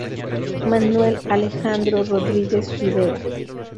Manuel Alejandro Rodríguez Rivera.